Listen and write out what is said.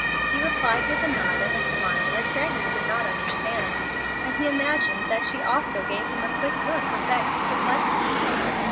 He replied with a nod and a smile that Gregory did not understand, and he imagined that she also gave him a quick look of vexed perplexity.